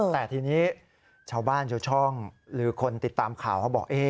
แต่ทีนี้ชาวบ้านชาวช่องหรือคนติดตามข่าวเขาบอก